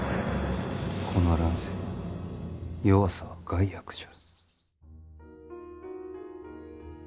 この乱世弱さは害悪じゃ。